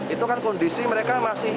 itu kan kondisi mereka masih